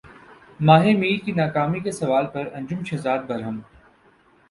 ماہ میر کی ناکامی کے سوال پر انجم شہزاد برہم